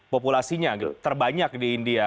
populasinya terbanyak di india